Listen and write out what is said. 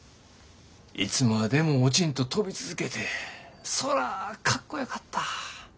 いつまでも落ちんと飛び続けてそらかっこよかった。